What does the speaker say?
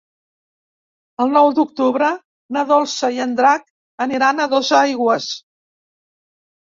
El nou d'octubre na Dolça i en Drac aniran a Dosaigües.